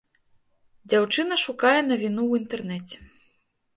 Дзяўчына шукае навіну ў інтэрнэце.